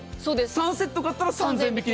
３セット買ったら３０００円引き。